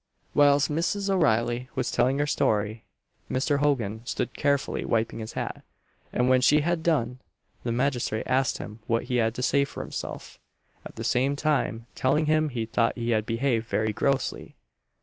Whilst Mrs. O'Reilly was telling her story, Mr. Hogan stood carefully wiping his hat; and when she had done, the magistrate asked him what he had to say for himself; at the same time telling him he thought he had behaved very grossly.